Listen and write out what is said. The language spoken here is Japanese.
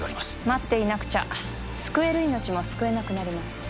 待っていなくちゃ救える命も救えなくなります